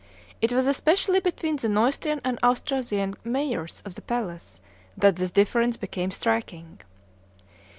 It was especially between the Neustrian and Austrasian mayors of the palace that this difference became striking.